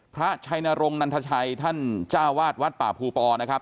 พระชัยนรงค์นันทชัยท่านจ้าวาดวัดป่าภูปอนะครับ